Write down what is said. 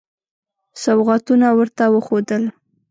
سوغاتونه ورته وښودل.